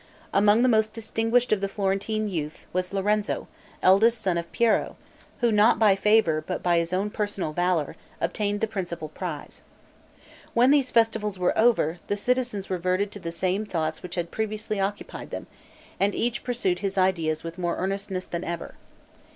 Among the most distinguished of the Florentine youth was Lorenzo, eldest son of Piero, who, not by favor, but by his own personal valor, obtained the principal prize. When these festivals were over, the citizens reverted to the same thoughts which had previously occupied them, and each pursued his ideas with more earnestness than ever.